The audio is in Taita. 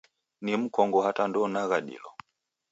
Ni mkongo hata ndounagha dilo.